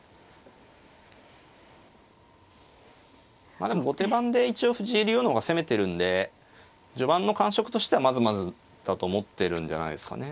まあでも後手番で一応藤井竜王の方が攻めてるんで序盤の感触としてはまずまずだと思ってるんじゃないですかね。